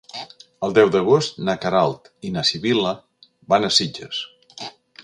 El deu d'agost na Queralt i na Sibil·la van a Sitges.